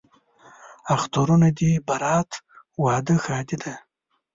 اخترونه دي برات، واده، ښادي ده